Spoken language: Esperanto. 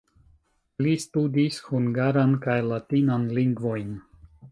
Li studis hungaran kaj latinan lingvojn.